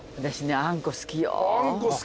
あんこ好き。